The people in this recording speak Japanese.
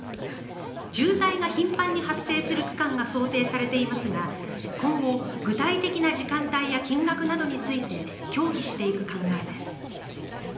渋滞が頻繁に発生する区間が想定されていますが今後、具体的な時間帯や金額などについて協議していく考えです。